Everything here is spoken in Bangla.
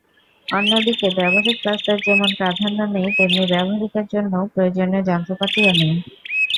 অন্যদিকে ব্যবহারিক ক্লাসের যেমন প্রাধান্য নেই, তেমনি ব্যবহারিকের জন্য প্রয়োজনীয় যন্ত্রপাতিও নেই।